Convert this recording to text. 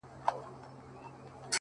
نه پنډت ووهلم؛ نه راهب فتواء ورکړه خو؛